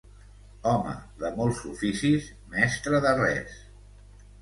Home de molts oficis, mestre de res.